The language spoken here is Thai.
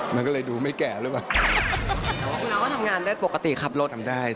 ก็ครับมันแก่มาตั้งแต่เด็กแล้วไง